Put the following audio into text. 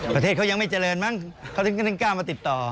ประเทศเขายังไม่เจริญมั้งเขาถึงก็ต้องกล้ามาติดต่อ